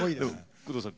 工藤さん